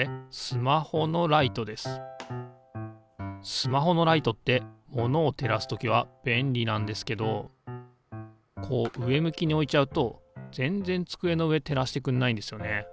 スマホのライトってものを照らす時は便利なんですけどこう上向きに置いちゃうと全然机の上照らしてくんないんですよね。